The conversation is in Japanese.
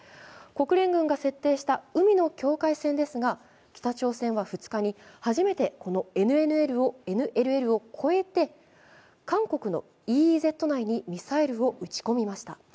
国連軍が設定した海の境界線ですが、北朝鮮は２日に初めてこのＮＬＬを越えて韓国のＥＥＺ内にミサイルを撃ち込みました。